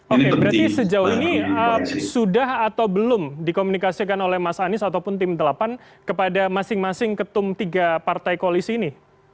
oke berarti sejauh ini sudah atau belum dikomunikasikan oleh mas anies ataupun tim delapan kepada masing masing ketum tiga partai koalisi ini